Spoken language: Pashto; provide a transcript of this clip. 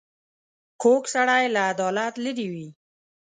کوږ سړی له عدالت لیرې وي